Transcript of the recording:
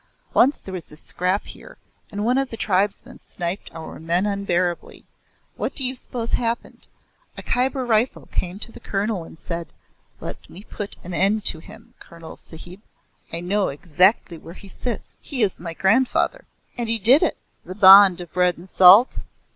Once there was a scrap here and one of the tribesmen sniped our men unbearably. What do you suppose happened? A Khyber Rifle came to the Colonel and said, 'Let me put an end to him, Colonel Sahib. I know exactly where he sits. He is my grandfather.' And he did it!" "The bond of bread and salt?"